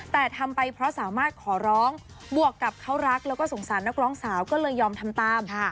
แต่ทำไปเพราะสามารถขอร้องบวกกับเขารักแล้วก็สงสารนักร้องสาวก็เลยยอมทำตาม